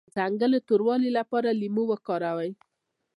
د څنګلو د توروالي لپاره لیمو وکاروئ